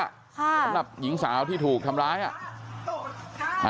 สำหรับหญิงสาวที่ถูกทำร้ายอ่ะ